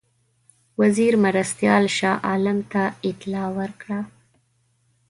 وزیر مرستیال شاه عالم ته اطلاع ورکړه.